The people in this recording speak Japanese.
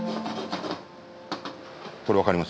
これ分かります？